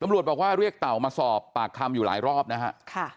บอกว่าเรียกเต่ามาสอบปากคำอยู่หลายรอบนะฮะ